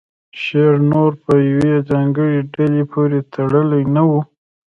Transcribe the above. شعر نور په یوې ځانګړې ډلې پورې تړلی نه و